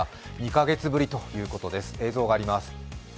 ２か月ぶりということです。